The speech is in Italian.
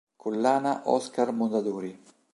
Collana "Oscar Mondadori".